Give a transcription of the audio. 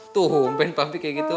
tuh umpen papi kayak gitu